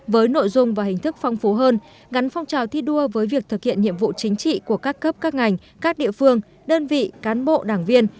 với nội dung và hình thức phong phú hơn gắn phong trào thi đua với việc thực hiện nhiệm vụ chính trị của các cấp các ngành các địa phương đơn vị cán bộ đảng viên